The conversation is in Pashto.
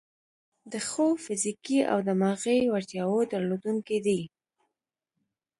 د ښو فزیکي او دماغي وړتیاوو درلودونکي دي.